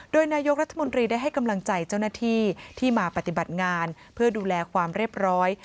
โดยนายกรัฐมนตรีได้ให้กำลังใจเจ้าหน้าที่ที่มาปฏิบัติงานเพื่อดูแลความเรียบร้อย